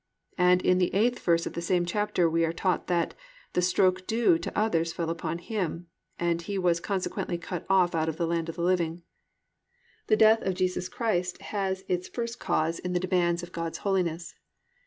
And in the eighth verse of the same chapter we are taught that "the stroke due" to others fell upon Him, and He was consequently "cut off out of the land of the living." The death of Jesus Christ has its first cause in the demands of God's holiness.